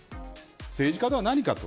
政治家とは何かと。